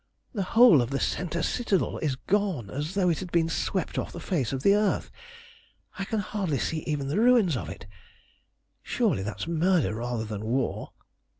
The whole of the centre citadel is gone as though it had been swept off the face of the earth. I can hardly see even the ruins of it. Surely that's murder rather than war!"